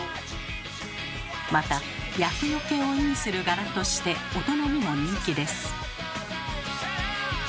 また厄よけを意味する柄として大人にも人気です。